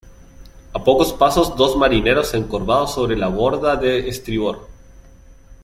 a pocos pasos dos marineros encorvados sobre la borda de estribor,